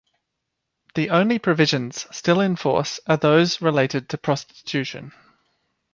The only provisions still in force are those related to prostitution.